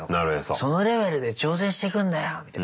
そのレベルで挑戦してくんなよみたいな。